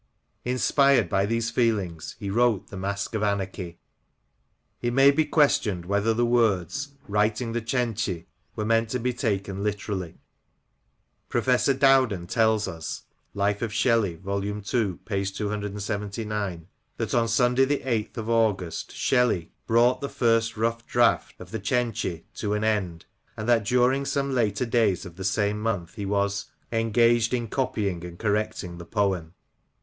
Inspired by these feelings he wrote the Masque of Anarchy. ..." It may be questioned whether the words '* writing The Cenci" were meant to be taken literally. Professor Dowden tells us {Life of Shelley , vol. ii. p. 279) that, on Sunday the 8th of August, Shelley *' brought the first rough draft [of The Cenct] to an end," and that during some later days of the same month he was '* engaged in copying and correcting the poem."